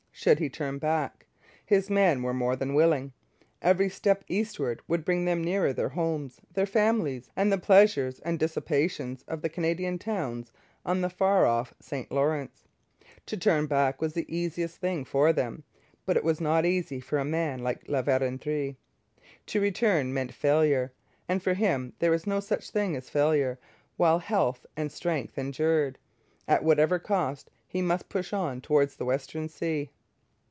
Should he turn back? His men were more than willing. Every step eastward would bring them nearer their homes, their families, and the pleasures and dissipations of the Canadian towns on the far off St Lawrence. To turn back was the easiest thing for them. But it was not easy for a man like La Vérendrye. To return meant failure; and for him there was no such thing as failure while health and strength endured. At whatever cost, he must push on towards the Western Sea.